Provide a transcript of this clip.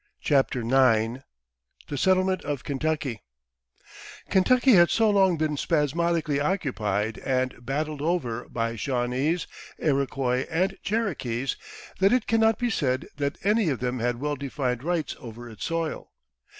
CHAPTER IX THE SETTLEMENT OF KENTUCKY Kentucky had so long been spasmodically occupied and battled over by Shawnese, Iroquois, and Cherokees, that it can not be said that any of them had well defined rights over its soil.